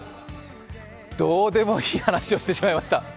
どうでもいい話をしてしまいました。